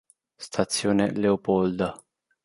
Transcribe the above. Stazione Leopolda